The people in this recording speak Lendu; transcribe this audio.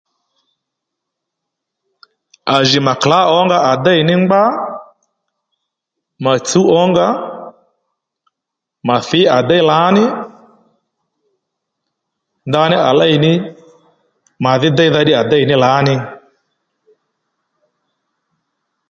À jì mà klǎ ónga à déy ngbá mà tsǔw ǒnga mà thǐy à déy lǎní ndaní à lêy ní màdhí déydha à déyò ní lǎní